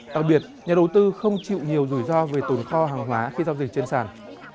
đặc biệt nhà đầu tư không chịu nhiều rủi ro về tồn kho hàng hóa khi giao dịch trên sàn